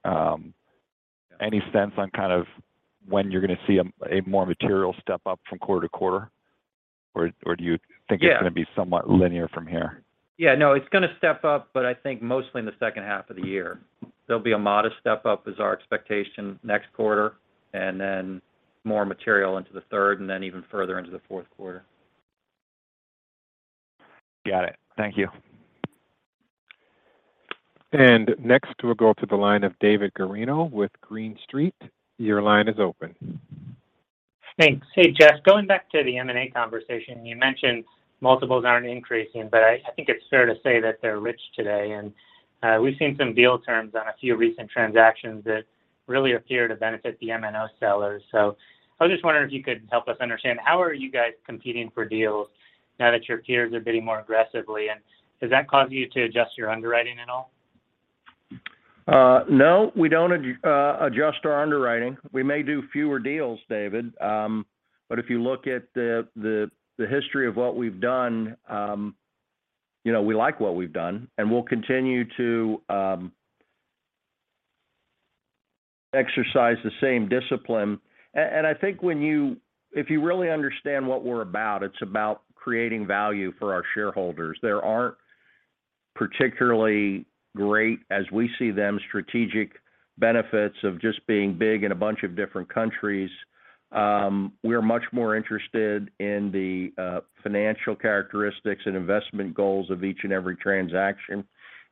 N: Any sense on kind of when you're gonna see a more material step up from quarter to quarter? Or do you think (crosstalk) It's gonna be somewhat linear from here?
C: Yeah, no, it's gonna step up, but I think mostly in the second half of the year. There'll be a modest step up is our expectation next quarter, and then more material into the third and then even further into the fourth quarter.
N: Got it. Thank you.
A: Next, we'll go to the line of David Guarino with Green Street. Your line is open.
O: Thanks. Hey, Jeff. Going back to the M&A conversation. You mentioned multiples aren't increasing, but I think it's fair to say that they're rich today. We've seen some deal terms on a few recent transactions that really appear to benefit the MNO sellers. I was just wondering if you could help us understand how are you guys competing for deals now that your peers are bidding more aggressively? Does that cause you to adjust your underwriting at all?
D: No, we don't adjust our underwriting. We may do fewer deals, David, but if you look at the history of what we've done, you know, we like what we've done, and we'll continue to exercise the same discipline. I think if you really understand what we're about, it's about creating value for our shareholders. There aren't particularly great, as we see them, strategic benefits of just being big in a bunch of different countries. We are much more interested in the financial characteristics and investment goals of each and every transaction.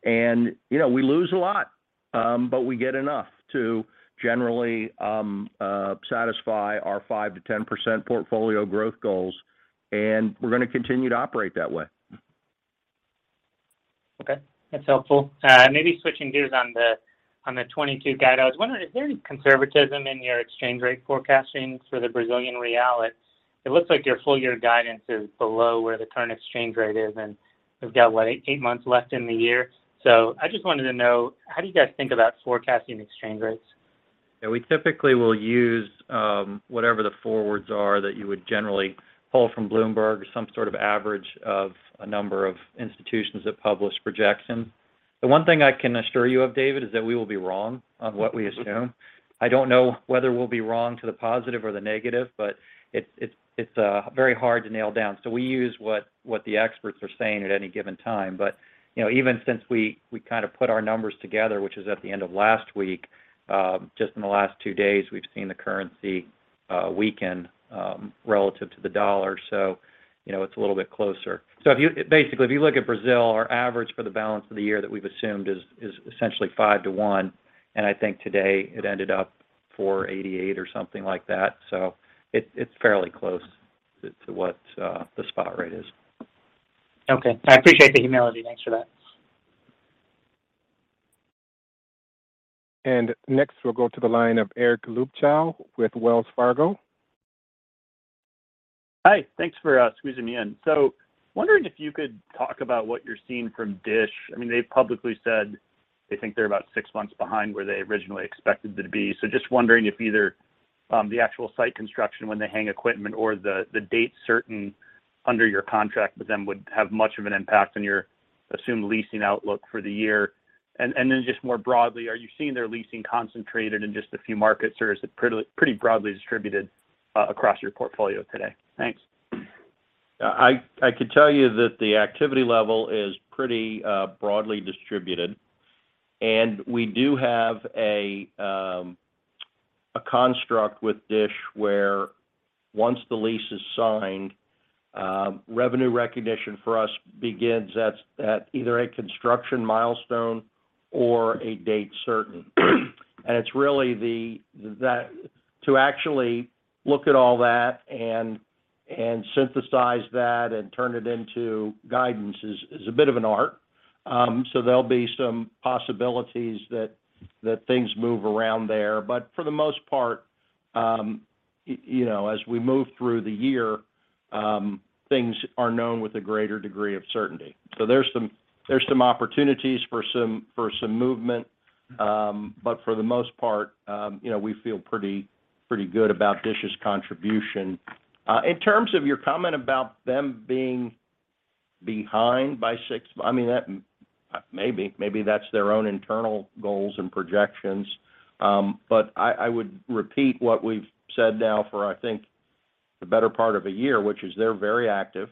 D: You know, we lose a lot, but we get enough to generally satisfy our 5%-10% portfolio growth goals, and we're gonna continue to operate that way.
O: Okay. That's helpful. Maybe switching gears on the 2022 guide. I was wondering, is there any conservatism in your exchange rate forecasting for the Brazilian real? It looks like your full year guidance is below where the current exchange rate is, and we've got, what? Eight months left in the year. I just wanted to know, how do you guys think about forecasting exchange rates?
C: Yeah, we typically will use whatever the forwards are that you would generally pull from Bloomberg or some sort of average of a number of institutions that publish projections. The one thing I can assure you of, David, is that we will be wrong on what we assume. I don't know whether we'll be wrong to the positive or the negative, but it's very hard to nail down. We use what the experts are saying at any given time. You know, even since we kind of put our numbers together, which is at the end of last week, just in the last two days, we've seen the currency weaken relative to the dollar. You know, it's a little bit closer. Basically, if you look at Brazil, our average for the balance of the year that we've assumed is essentially five to one, and I think today it ended up $488 million or something like that. It's fairly close to what the spot rate is.
O: Okay. I appreciate the humility. Thanks for that.
A: Next, we'll go to the line of Eric Luebchow with Wells Fargo.
P: Hi. Thanks for squeezing me in. I'm wondering if you could talk about what you're seeing from DISH. I mean, they've publicly said they think they're about six months behind where they originally expected to be. I'm just wondering if either the actual site construction when they hang equipment or the date certain under your contract with them would have much of an impact on your assumed leasing outlook for the year. Then just more broadly, are you seeing their leasing concentrated in just a few markets, or is it pretty broadly distributed across your portfolio today? Thanks.
D: I could tell you that the activity level is pretty broadly distributed, and we do have a construct with DISH where once the lease is signed, revenue recognition for us begins at either a construction milestone or a date certain. It's really to actually look at all that and synthesize that and turn it into guidance is a bit of an art. There'll be some possibilities that things move around there. For the most part, you know, as we move through the year, things are known with a greater degree of certainty. There's some opportunities for some movement. For the most part, you know, we feel pretty good about DISH's contribution. In terms of your comment about them being behind by six. I mean, that maybe that's their own internal goals and projections. I would repeat what we've said now for, I think, the better part of a year, which is they're very active,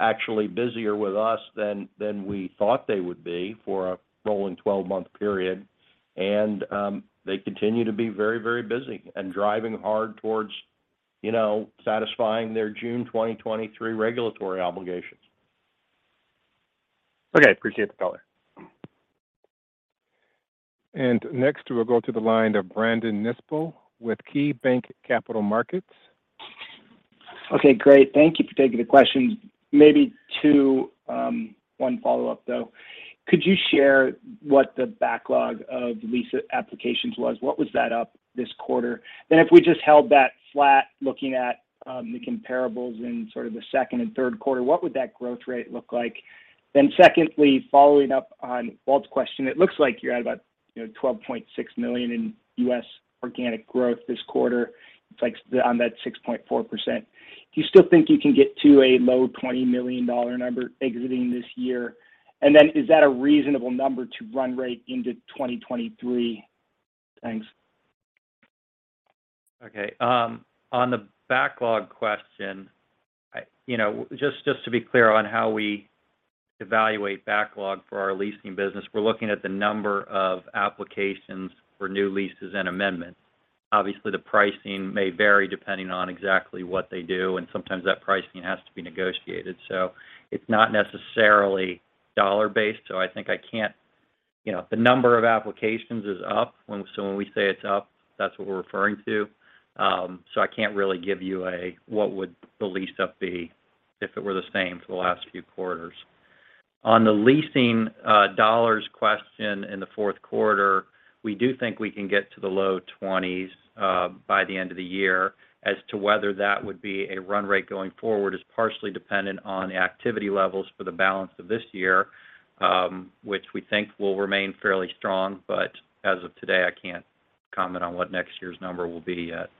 D: actually busier with us than we thought they would be for a rolling 12-month period. They continue to be very, very busy and driving hard towards, you know, satisfying their June 2023 regulatory obligations.
P: Okay. Appreciate the color.
A: Next, we'll go to the line of Brandon Nispel with KeyBanc Capital Markets.
Q: Okay, great. Thank you for taking the questions. Maybe two, one follow-up, though. Could you share what the backlog of lease applications was? What was that up this quarter? If we just held that flat, looking at the comparables in sort of the second and third quarter, what would that growth rate look like? Secondly, following up on Walt's question, it looks like you're at about, you know, $12.6 million in U.S. organic growth this quarter. It's like six on that 6.4%. Do you still think you can get to a low $20 million number exiting this year? Is that a reasonable number to run rate into 2023? Thanks.
C: Okay. On the backlog question, you know, just to be clear on how we evaluate backlog for our leasing business, we're looking at the number of applications for new leases and amendments. Obviously, the pricing may vary depending on exactly what they do, and sometimes that pricing has to be negotiated. It's not necessarily dollar-based. You know, the number of applications is up, so when we say it's up, that's what we're referring to. I can't really give you what the lease up would be if it were the same for the last few quarters. On the leasing dollars question in the fourth quarter, we do think we can get to the low 20s by the end of the year. As to whether that would be a run rate going forward is partially dependent on the activity levels for the balance of this year, which we think will remain fairly strong. As of today, I can't comment on what next year's number will be yet.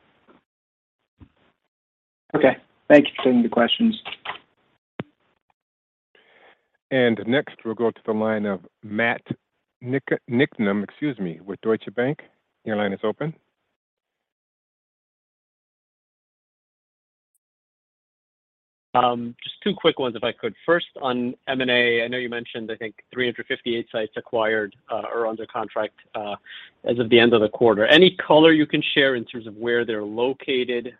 Q: Okay. Thank you for taking the questions.
A: Next, we'll go to the line of Matt Niknam, excuse me, with Deutsche Bank. Your line is open.
R: Just two quick ones if I could. First, on M&A, I know you mentioned, I think, 358 sites acquired or under contract as of the end of the quarter. Any color you can share in terms of where they're located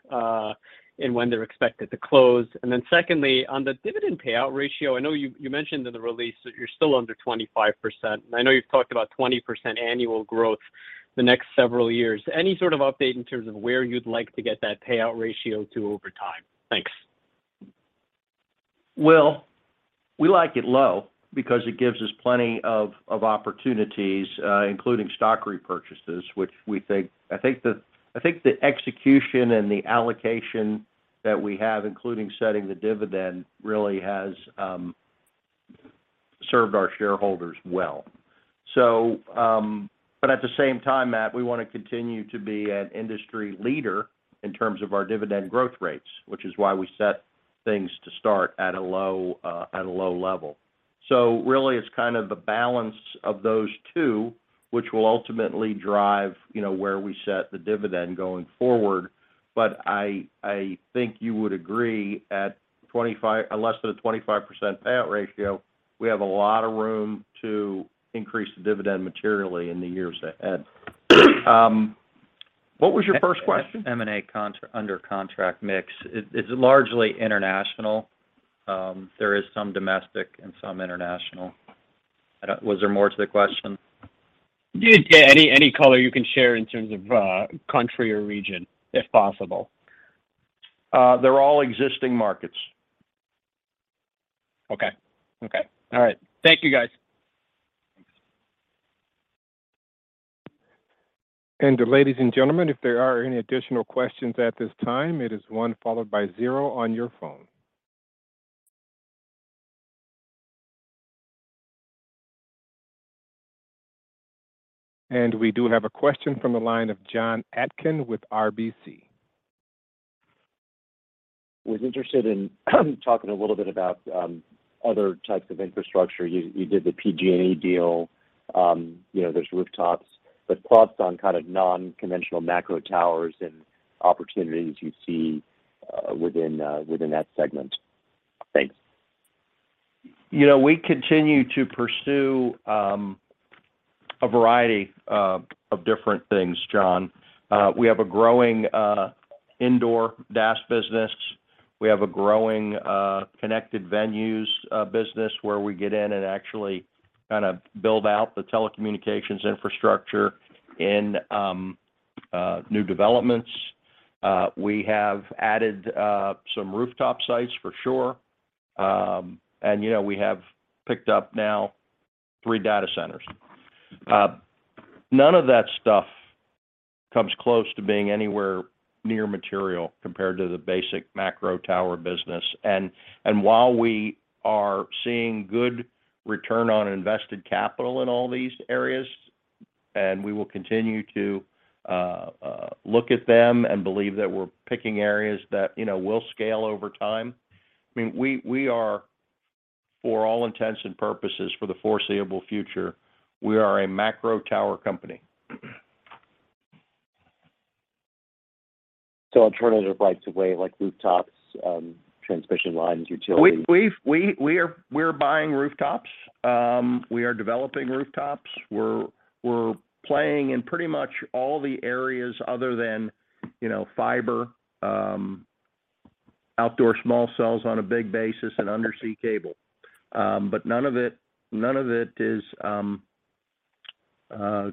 R: and when they're expected to close? Secondly, on the dividend payout ratio, I know you mentioned in the release that you're still under 25%, and I know you've talked about 20% annual growth the next several years. Any sort of update in terms of where you'd like to get that payout ratio to over time? Thanks.
D: Well, we like it low because it gives us plenty of opportunities, including stock repurchases, which we think, I think the execution and the allocation that we have, including setting the dividend, really has served our shareholders well. But at the same time, Matt, we want to continue to be an industry leader in terms of our dividend growth rates, which is why we set things to start at a low level. Really, it's kind of the balance of those two which will ultimately drive, you know, where we set the dividend going forward. But I think you would agree at a less than a 25% payout ratio, we have a lot of room to increase the dividend materially in the years ahead. What was your first question?
C: M&A contract under contract mix. Is it largely international? There is some domestic and some international. Was there more to the question?
R: Yeah, any color you can share in terms of country or region, if possible?
D: They're all existing markets.
R: Okay. All right. Thank you, guys.
A: Ladies and gentlemen, if there are any additional questions at this time, it is one followed by zero on your phone. We do have a question from the line of Jon Atkin with RBC.
S: I was interested in talking a little bit about other types of infrastructure. You did the PG&E deal. You know, there's rooftops, but thoughts on kind of non-conventional macro towers and opportunities you see within that segment. Thanks.
D: You know, we continue to pursue a variety of different things, Jon. We have a growing indoor DAS business. We have a growing connected venues business, where we get in and actually kinda build out the telecommunications infrastructure in new developments. We have added some rooftop sites, for sure. You know, we have picked up now three data centers. None of that stuff comes close to being anywhere near material compared to the basic macro tower business. While we are seeing good return on invested capital in all these areas, and we will continue to look at them and believe that we're picking areas that, you know, will scale over time. I mean, we are, for all intents and purposes, for the foreseeable future, we are a macro tower company.
S: Alternative rights of way, like rooftops, transmission lines, utilities.
D: We're buying rooftops. We are developing rooftops. We're playing in pretty much all the areas other than, you know, fiber, outdoor small cells on a big basis and undersea cable. But none of it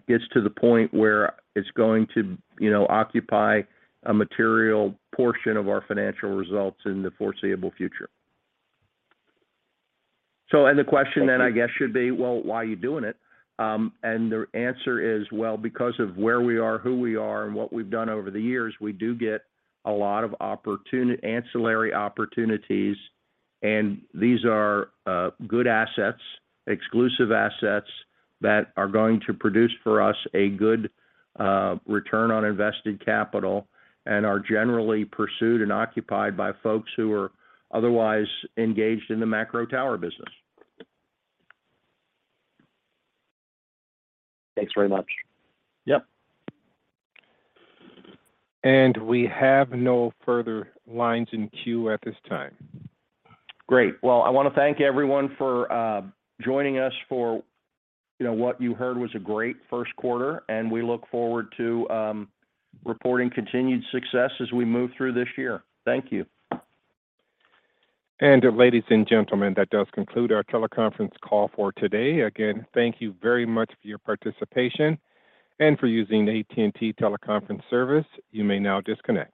D: gets to the point where it's going to, you know, occupy a material portion of our financial results in the foreseeable future. The question then, I guess, should be, well, why are you doing it? The answer is, well, because of where we are, who we are, and what we've done over the years, we do get a lot of ancillary opportunities, and these are good assets, exclusive assets that are going to produce for us a good return on invested capital and are generally pursued and occupied by folks who are otherwise engaged in the macro tower business.
S: Thanks very much.
D: Yep.
A: We have no further lines in queue at this time.
D: Great. Well, I wanna thank everyone for joining us for, you know, what you heard was a great first quarter, and we look forward to reporting continued success as we move through this year. Thank you.
A: Ladies and gentlemen, that does conclude our teleconference call for today. Again, thank you very much for your participation and for using AT&T Teleconference Service. You may now disconnect.